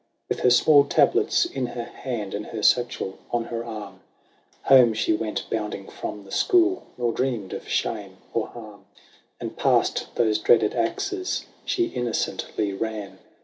With her small tablets in her hand, and her satchel on her arm, Home she went bounding from the school, nor dreamed of shame or harm And past those dreaded axes she innocently ran.